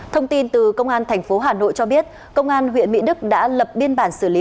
thông tin từ công an tp hà nội cho biết công an huyện mỹ đức đã lập biên bản xử lý